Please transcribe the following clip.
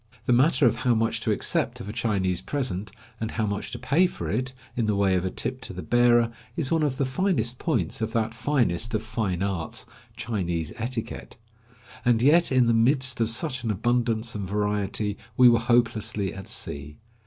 The matter of how much to accept of a Chinese present, and how much to pay for it, in the way of a tip to the bearer, is one of the finest points of that finest of fine arts, Chinese etiquette; and yet in the midst of such an abundance and variety we were hopelessly at sea.